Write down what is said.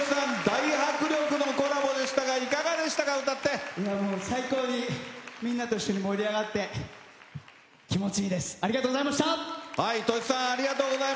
大迫力のコラボでしたが最高にみんなと一緒に盛り上がって気持ちいいです。